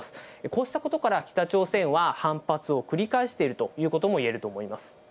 こうしたことから、北朝鮮は反発を繰り返しているということもいえると思います。